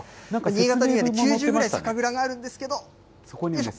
新潟には９０ぐらい酒蔵があるんですけど。